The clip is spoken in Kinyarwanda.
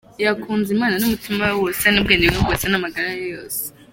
Yakunze Imana n’umutima we wose, n’ubwenge bwe bwose n’amagara ye yose.